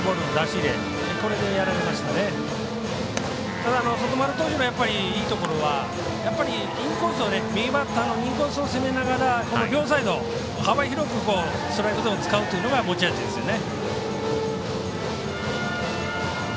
ただ、外丸投手のいいところは右バッターのインコースを攻めながら両サイド、幅広くストライクゾーン使うのが持ち味ですよね。